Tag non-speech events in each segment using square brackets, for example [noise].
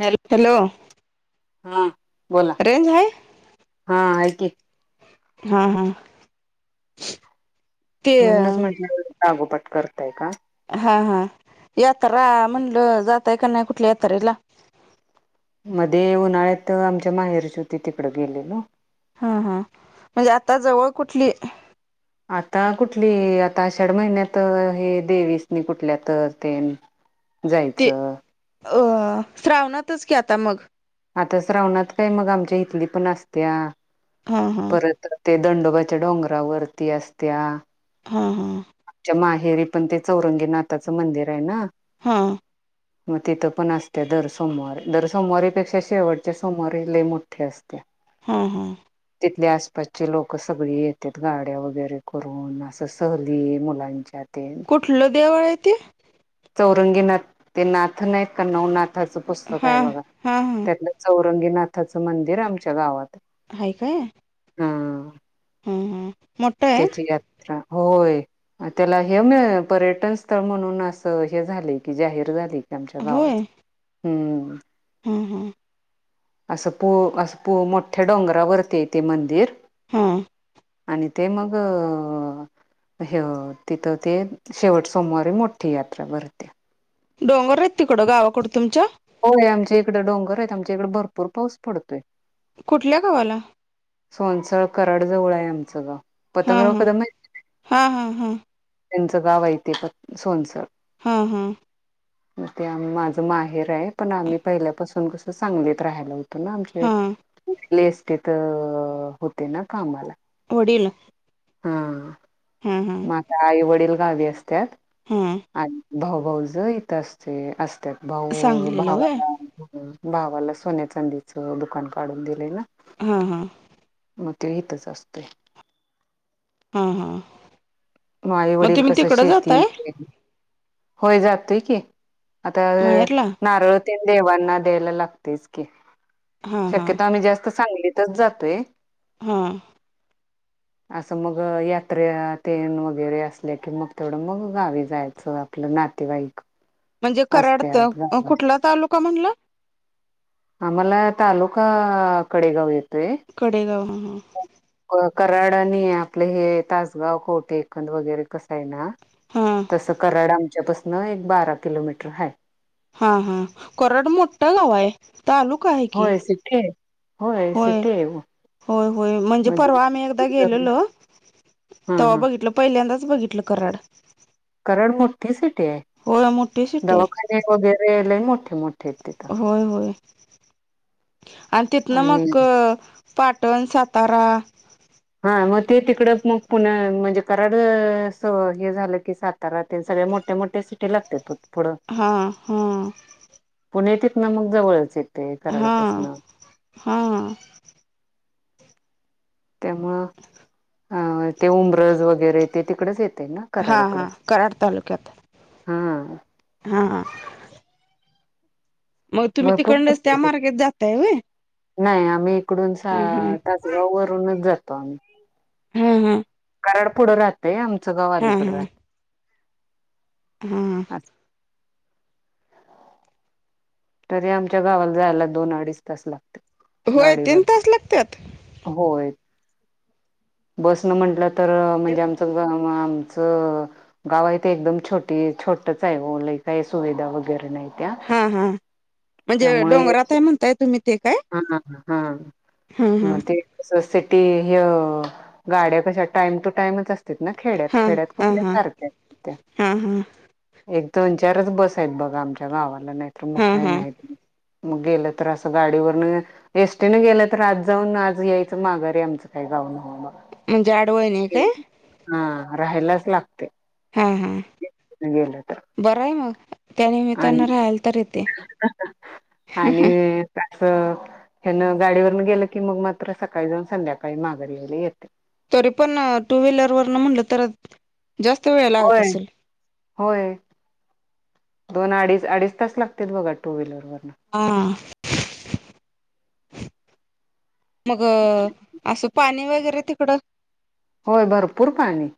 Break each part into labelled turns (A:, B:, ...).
A: Hello
B: hello
A: हा बोला
B: range आहे
A: हा आहे की
B: हा हा ते
A: म्हणूनच म्हटलं लागोपाठ करताय का
B: हा हा यात्रा म्हणलं जाताय का नाही कुठल्या यात्रेला.
A: मध्ये उन्हाळ्यात आमच्या माहेरीची होती तिकड गेलो लो.
B: हा हा म्हणजे आता जवळ कुठली.
A: आता कुठली आषाढ महिन्यात हे देवीसनी कुठल्या तर ते.
B: ते
A: जायचं.
B: अ श्रावणातच की आता मग.
A: आता श्रावणात काय मग आमच्या इथली पण असत्या.
B: हा हा.
A: ते दंडोबाच्या डोंगरा वरती असत्या.
B: हा हा.
A: माहेरी पण ते चौरंगीनाथाचं मंदिर आहे ना.
B: हां.
A: मग तिथं पण असते दर सोमवार दर सोमवारीपेक्षा शेवटच्या सोमवारी लय मोठे असते.
B: हा हा.
A: तिथले आसपासचे लोक सगळे येतात गाड्या वगैरे करून असं. सहली मुलांच्या ते
B: कुठलं देऊळ आहे ते
A: चौरंगीनाथ ते नाथ नाही आहेत का नवनाथाचं पुस्तक
B: हा
A: आहे बघा
B: हा हा
A: त्यातलं चौरंगीनाथाचं मंदिर आमच्या गावात
B: हाय काय
A: हा
B: हा हा मोठं आहे
A: त्याची यात्रा होय. त्याला हे म पर्यटन स्थळ म्हणून असं हे झाले की जाहीर झाले. आमच्या गावात हम्म.
B: हम् हम.
A: असं पु असं मोठ्या डोंगरावरती येते मंदिर.
B: हां.
A: आणि ते मग. ह तिथं ते शेवट सोमवारी मोठी यात्रा भरते.
B: डोंगर आहेत तिकडं गावाकडं तुमच्या.
A: होय आमच्या इकडें डोंगर आहेत आमच्या इकडे भरपूर पाऊस पडतोय.
B: कुठल्या गावाला.
A: सोनसळ कराडजवळ आहे आमचं ग
B: हा
A: पतंगराव
B: हा
A: कदम माहित आहे.
B: हा हा हा
A: त्यांचं गाव आहे ते पण सोनसर.
B: हा हा.
A: ते माझं माहेर आहे पण आम्ही पहिल्यापासून कसं सांगलीत राहायला होत. आमचे
B: हा
A: ललेस्टेत होते ना कामाला.
B: वडील.
A: हा.
B: हा हा.
A: मग आता आई वडील गावी असतात
B: हां
A: आणि भाऊभऊज इथं असते असतात. भाऊ
B: सांगलीला होय
A: भावाला भावाला सोन्या चांदीच दुकान काढून दिलंय ना.
B: हां हां.
A: मग ते हेतच असत.
B: हा हा.
A: माई वडील कसं शेती होय जातोय की. आता
B: माहेरला
A: नारळ त देवांना द्यायला लागतेच की.
B: हां हां
A: शक्यत आम्ही जास्त सांगली च जातोय.
B: हा.
A: असं मग यात्रे ते. वगैरे असल्या की मग तेवढं मग गावी जायचं आपलं नातेवाईक
B: म्हणजे कराडत
A: असत्यात गावात
B: कुठला तालुका म्हणलं
A: आम्हाला तालुका कडेगाव येतोय
B: कडेगाव ह हां
A: कराडनी आपले हे तासगाव खोटे एकंद वगैरे कसं आहे ना
B: हां हां
A: तस कराडा आमच्यापसन एक बारा किलोमीटर आहे
B: हा हा कराड मोठं गाव आहे तालुका आहे की
A: [inaudible]
B: होय
A: सिटी आहे
B: होय होय म्हणजे परवा आम्ही एकदा गेललो
A: हा
B: तेव्हा
A: हा
B: बघितलं पहिल्यांदाच बघितलं कराड
A: कराड मोठी सिटी आहे
B: हो मोठी सिटी आहे
A: दवाखाने वगैरे ल मोठे मोठे आहेत तिथं
B: होय होय आणि तीत न मक पाटण सातारा
A: हा मग ते तिकड मग पुन म्हणजे कराड अस हे झालं की सात तरात सगळ्या मोठे मोठ्या सिटी लागतात पुढे.
B: हा हा.
A: पुणे तिथे मग जवळच आहे.
B: हां हां ह.
A: त्यामुळं अ ते उमरज वगैरेेत तिकडेच येतय ना.
B: हा हा कराड तालुक्यात.
A: हम्म
B: हा मग तुम्ही
A: भरपूर
B: तिकडनच त्या मार्गेत जाताय होय
A: नाही आम्ही इकडून
B: हा
A: तास वरूनच जातो आम्ही
B: हा हा
A: कारराड पुढं राहतय आमचं गाव
B: हा
A: अलीकड
B: हा
A: राहत
B: हा
A: तरी आमच्या गावाला जायला दोन अडीच तास ला
B: होय तीन तास लागतात
A: होय बस न म्हटलं तर म्हणजे आमचं आमचं गाव आहे ते एकदम छोटी छोटच आहे ल काय सुविधा वगैरे नाही त्या
B: हा हा म्हणजे
A: त्यामुळे
B: डोंगरातय म्हणताय तुम्ही ते काय
A: हा हा
B: हा हा
A: म त सिटी ह गाड्या कशा टाइम टू टाइमच असत ना खेड्यात
B: हा
A: खेड्यात
B: हा
A: कुठल्या
B: हा
A: सारख्या त्या
B: हा हा
A: एक दोन चारच बस आहेत बघा आमच्या गावाला नाहीतर मग
B: हा
A: काही
B: हा
A: नाही मग गेलं तर असं गाडीवर एसटी न गेलं तर आज जाऊन आज यायचं माघारी आहे आमचं काय गाऊन हं मग
B: म्हणजे आडवळ नाही काय
A: हा राहायलाच लागते
B: हा हा
A: हल तर
B: बरं आहे मग
A: आणि
B: त्यानमित्तानं राहाल तर येते
A: आणि अस ह्यान गाडीवरन गेलं की मग मात्र सकाळी जाऊन संध्याकाळी माघरी येले येते
B: तरी पण टू व्हीलरवर न म्हटलं तर जास्त वेळ लागत
A: होय.
B: असेल
A: होय दोन अडीच अडीच तास लागतील बघा टू व्हीलर वन
B: हा मग असं पाणी वगैरे तिकडं
A: होय भरपूर पाणी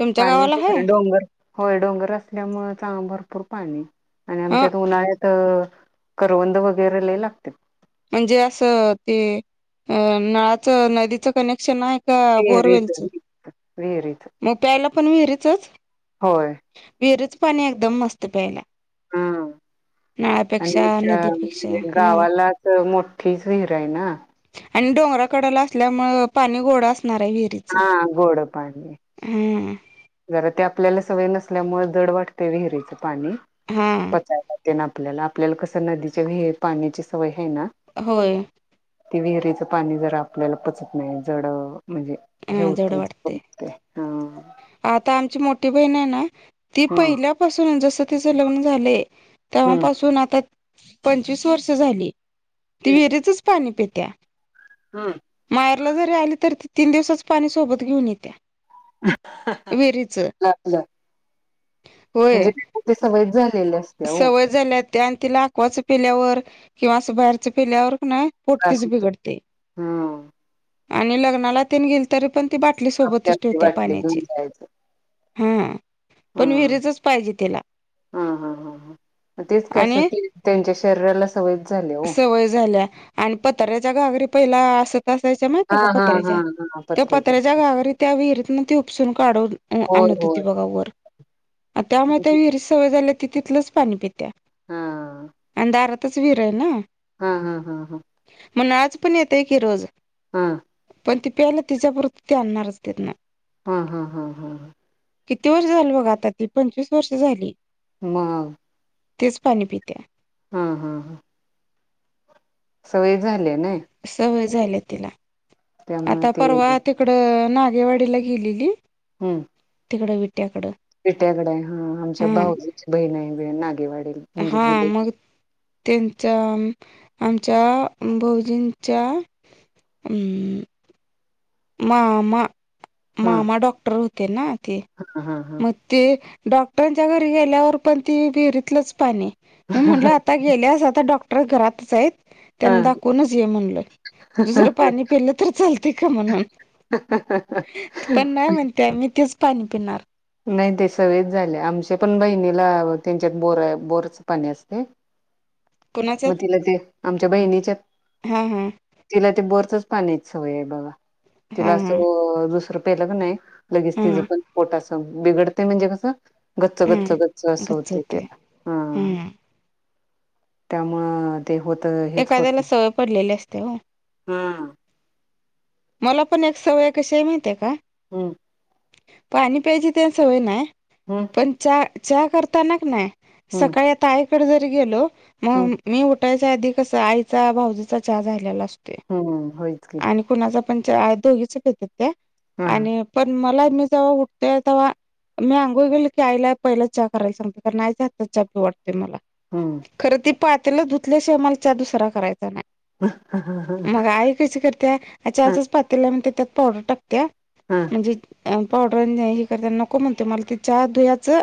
B: तुमच्या गावाला
A: पाण्याचे स
B: आहे
A: डोंगर होय डोंगर असल्यामुळे चा भरपूर पाणी आणि
B: हा
A: आमच्यात उन्हाळ्यात तर करवंद वगैरे ले लागत्यात.
B: म्हणजे अस ते अ नळाच नदीच कनेक्शन आए
A: वेर येत वेर येत
B: मग प्यायला पण विहिरीचच?
A: होय
B: विरच पाणी एकदम मस्त प्यायला.
A: हा आणि
B: नळापेक्षा
A: त्याच्या
B: नदीपेक्षा
A: म्हणजे
B: हम्म
A: गावालाच मोठीच विहीर आहे ना.
B: आणि डोंगरा कडला असल्यामुळे पाणी गोड असणार ये विहिरीत.
A: हा गोड पाणी.
B: हम्म
A: जरा ते आपल्याला सवय नसल्यामुळे जड वाटते विहिरीच पाणी
B: हा
A: पचायला ते ना आपल्याला आपल्याला कसं नदीच्या विहेर पाण्याची सवय आहे ना
B: होय
A: ते विहिरीचं पाणी जर आपल्याला पचत नाही जड म्हणजे हे
B: हा जड
A: वते हो,
B: वाटते
A: हा
B: आता आमची मोठी बहीण ये ना ती
A: हम्म
B: पहिल्यापासून जस तिच लग्न झालये
A: हम्म
B: तेव्हापासून आता पंचवीस वर्ष झाली ती विहिरीचच पाणी पेत्या.
A: हा
B: मायरला जरी आली तर ती तीन दिवसच पाणी सोबत घेऊन येत्या. विहिरीच
A: ला [unintelligible]
B: होय
A: म्हणजे ते सवयच झालेले अस
B: सवय झाल्या त्या आणि तिला अकवाच पिल्यावर किंवा अस बाहेरच पिल्यावर क नाइ
A: त्रास
B: पोटतीच
A: होत
B: बिघडते
A: हा
B: आणि लग्नाला ते गेल तरी पण ती बाटली
A: आपली
B: सोबतच
A: आपली
B: ठेवत्या
A: वाटली
B: पाण्याची.
A: घेऊन जायचं
B: हा
A: हा
B: पण विहिरेच च पाहिजे तिला.
A: हा हा हा ह तेच कस
B: आणि
A: त्यांच्या शरीराला सवयच झाली ओ.
B: सवय झाल्या आणि पतऱ्याच्या घागरी पहिला असत असायच्या माहितीय
A: हा
B: का
A: हा हा
B: पतऱ्याच्या
A: हा
B: त्या पत्र्याच्या घाघरी त्या विहिरीतन ती उपसून काढून
A: होय
B: आणत होती
A: होय
B: बघा वर. त्यामुळे त्या विहिरी सवय झाले त तिथलच पाणी पित्या
A: हा
B: आणि दारातच विर ये ना.
A: हा हा हा हा
B: मण आज पण येतय की रोज
A: हां
B: पण ती प्यायला तिच्यापरती ते आणणारच तिथन.
A: हा हा हा ह
B: किती वर्ष झाल बगा आता ती पंचवीस वर्ष झाली.
A: म
B: तेच पाणी पित्या
A: ह ह ह सवय झालीय ना
B: सवय झाली तिला.
A: त्यामुळे
B: आता
A: ते
B: परवा तिकड नागेवाडीला गेलेली
A: हम्म
B: तिकड विट्याकड
A: बेट्याकडे आहे हा आमच्या भाऊजची बहीण आहे नागेवाडीला.
B: हा मग त्यांचा आमच्या भाऊजींच्या ह मामा
A: हा
B: मामा डॉक्टर होते ना ते
A: हा हा
B: मग.. ते डॉक्टरांच्या घरी गेल्यावर पण ती विहिरीतलंच पाणी. मी म्हटलं आता गेल्यास आता डॉक्टर घरातच आहेत.
A: हा
B: त्यांना दाखवूनच ये म्हणलय दुसरं पाणी पिलं तर चालते का म्हणून..
A: [unintelligible]
B: त्या मी तेच पाणी पिणार.
A: नाही ते सगच झाले आमच्या पण बहिणीला त्यांच्यात बोर बोरच पाणी असते
B: [unintelligible]
A: मग तिला ते आमच्या बहिणीच्या
B: हा हा
A: तिला ते बोरचच पाण्याची सवय आहे बघा
B: हा
A: तिला
B: हा
A: असं दुसरं पिलं का नाही लगेच
B: हा
A: तिचं पण पोटचं बिघडते म्हणजे कसं. गच्च
B: हा
A: गच्च गच्च असं होते त्याला हा
B: हम्म
A: त्यामुळं. ते होत हेच होत नायी
B: पडलेले असते होय
A: हा
B: मला पण एक सवए कशी ये माहितीये का?
A: हम्म
B: पाणी प्यायची ते सवय नाय
A: हम्
B: पण चहा चहा करताना नाही
A: हम्म
B: सकाळी आता आईकडे जरी गेलो
A: हम्म
B: मग मी उठायच्या आधी कसं आईचा भाऊजीचा चहा झालेला असते.
A: हम्म होईच की.
B: कुणाच पण चहा दोघीच पित्यात त्या
A: हा
B: आणि पण मला मी जव्हा उठते तवा मी आंघोळ केली की आईला पहिला चहा करायला सांगते कारण आईचा आजचा चहा प्यावा वाटतो
A: हम्म
B: खरं ती पातला धुतल्या शिवामालाच्या दुसरा करायचा नाही.
A: ह ह
B: तेच करते चहाच्या पातेल्यात पावडर टाकते
A: हम्
B: म्हणजे पावडर हे करताना नको म्हणते मला ते चहा द्यायचं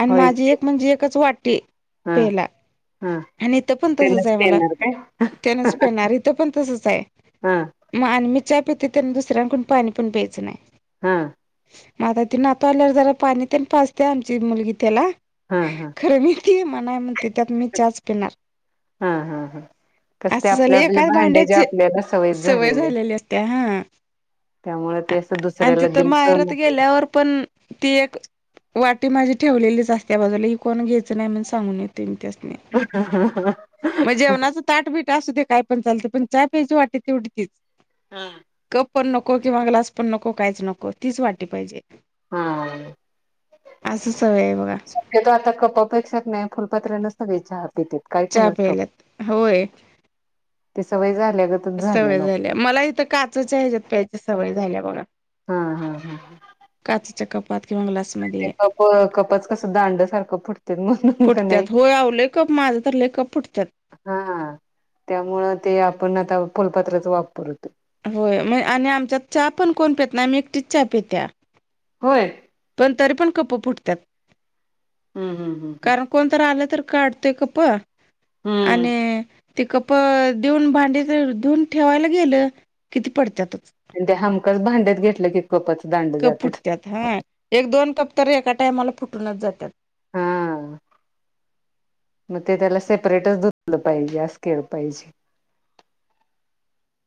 B: आणि
A: होयच
B: माझी
A: की
B: एक म्हणजे एकच वाटी
A: हा
B: पेला
A: हा
B: आणि इथं पण तसच
A: त्यालाच
B: आहे मला
A: देणार काय
B: त्यानच पेणार इथं पण तसच आहे.
A: हा
B: मग आणि मी चहा पिते त्यांना दुसऱ्यां कोण पाणी पण प्यायचं नाही.
A: हा
B: म आता ती नातव आल्यावर जरा पाणी ते पाचते आमची मुलगी त्याला.
A: हा हा
B: खरं मी ती मणाय म्हणते त्यात मी चहाच पिणार
A: हम्म हम्म हम्
B: असं झाले एकाच भांड्याची
A: सवयच
B: सवय
A: आहे
B: झालेली होत्या हा.
A: त्यामुळे ते असं
B: आणि
A: दुसऱ्याला
B: तिथं
A: देऊन सहन
B: माहेरात गेल्यावर पण ती एक. वाटी माझी ठेवलेली असते त्या बाजूला ही कोण घ्यायंच नाही म्हणून सांगून येते मी त्यासनी.
A: हहह हह
B: मग जेवणाचं ताडबीट असू दे्या काय पण चालं पण चहा प्यायजची वाटते तेवढीच.
A: हम्
B: कप पण नको किंवा ग्लास पण नको काहीच नको तीच वाटी पाहिजे.
A: हा
B: असं सवय ये आहे बघा.
A: ते आता कप अपेक्षा नाही फुलपात्र्या नसत चहा काय
B: चहा
A: खणा
B: प्यायल्यात होय
A: ते सवय झाल्या
B: सवय झाल्या मला इथं काचच्या ह्याच्यात प्यायची सवय झाल्या बघ
A: हम् हम्म हम
B: काच कपात किंवा ग्लासात
A: कप कपच कसं दांड सारखं फुटते म्हणून का नाही
B: फुटत्यात हो आव लय कप माझं तर ले कप फुटत्यात.
A: हा त्यामुळं ते आपण आता फुलपात्र्यात वापर होतो
B: होय म आणि आमच्या चहा पण कोण पेतना आम्ही एकटीच चचा पेत्या
A: होय
B: पण तरी पण कप् फुटत्यात.
A: हम् हम हम हं
B: कोणत आलं तर काढतेय कप
A: हम्म
B: आणि ते कप देऊन भांडी देऊन ठेवायला गेलं किती पडत्यातच
A: हमकच भांड्यात घेतलं ग. खपचांड
B: कप फुटतात हा एक दोन कप तर एका टायमाला फुटूनच जातात.
A: हा
B: [unintelligible]
A: मग ते त्याला सेपरेटच धुतलं पाहिजे अस केलं पाहिजे.